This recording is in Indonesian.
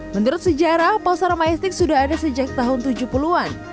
menurut sejarah pasar majestik sudah ada sejak tahun tujuh puluh an